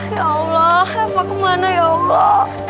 ya allah kemana ya allah